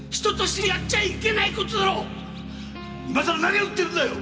今さら何を言ってるんだよ！